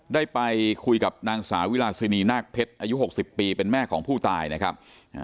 ได้ไปคุยกับนางสาวิราชินีนาคเพชรอายุ๖๐ปีเป็นแม่ของผู้ตายนะครับ